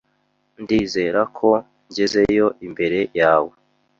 Ndizera ko ngezeyo imbere yawe.